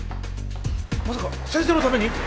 まさか先生のために！？